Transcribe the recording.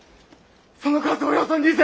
その数およそ２，０００！